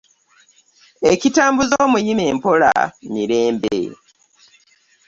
Ekitambuza omuyima empola mirembe ,